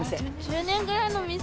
１０年ぐらいの店。